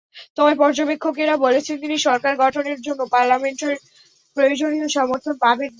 তবে পর্যবেক্ষকেরা বলছেন, তিনি সরকার গঠনের জন্য পার্লামেন্টের প্রয়োজনীয় সমর্থন পাবেন না।